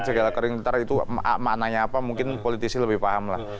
segala kering nanti itu maknanya apa mungkin politisi lebih paham lah